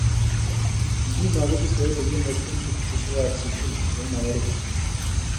Nguno ko kiswahili kenet eng sukulisiekap sukul eng Amerika